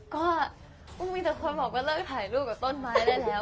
ก็มีแต่คนบอกว่าเลิกถ่ายรูปกับต้นไม้ได้แล้ว